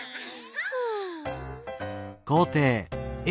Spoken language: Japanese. はあ。